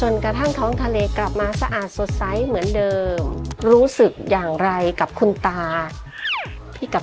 อยากให้ช่วยคุณตาครับ